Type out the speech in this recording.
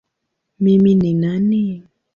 Mimi ni nani?